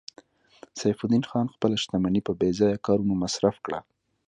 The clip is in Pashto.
سیف الدین خان خپله شتمني په بې ځایه کارونو مصرف کړه